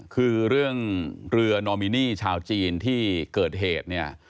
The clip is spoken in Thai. คือเรื่องเรือนอมินีชาวจีนที่เกิดเหตุเนี่ย